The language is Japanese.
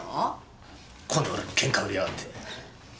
この俺にケンカ売りやがって。